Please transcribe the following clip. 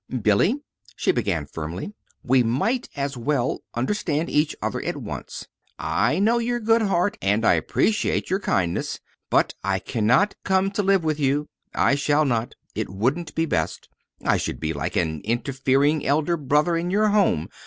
"Billy," she began firmly, "we might as well understand each other at once. I know your good heart, and I appreciate your kindness. But I can not come to live with you. I shall not. It wouldn't be best. I should be like an interfering elder brother in your home.